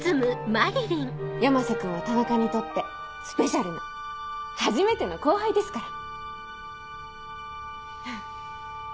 山瀬君は田中にとってスペシャルな初めての後輩ですから。